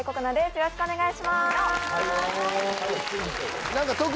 よろしくお願いします！